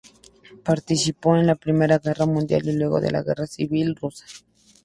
Participó en la Primera Guerra Mundial y luego en la Guerra Civil Rusa.